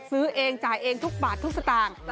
ซื้อเองจ่ายเองทุกบาททุกสตางค์